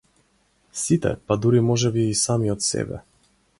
Сите па дури можеби и самиот себе.